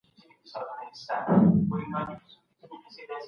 هغه پوهان چي يوناني ول تفکر يې کاوه.